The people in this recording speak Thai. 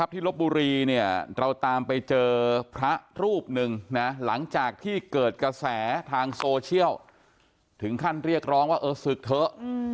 ที่ลบบุรีเราตามไปเจอพระรูปหนึ่งนะหลังจากที่เกิดกระแสทางโซเชียลถึงขั้นเรียกร้องว่าเออศึกเถอะ